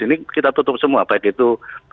ini kita tutup semua baik itu